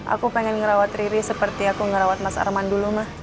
aku pengen ngerawat riri seperti aku ngerawat mas arman dulu mah